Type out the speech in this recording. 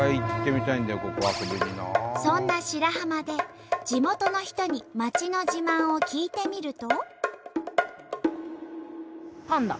そんな白浜で地元の人に町の自慢を聞いてみると。